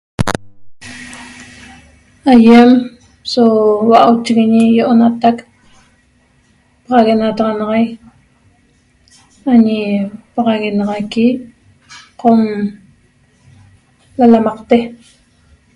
Aýem so hua'auchiguiñi ýi'onatac paxaguenataxanaxai añi paxaguenaxaqui Qom lalamaqte